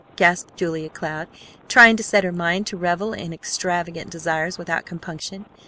gasped Julia Cloud, trying to set her mind to revel in extravagant desires without compunction.